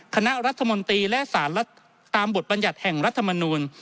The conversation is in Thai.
คณะรัฐมนตรีและสารรัฐตามบทบัญญัติแห่งรัฐมนูล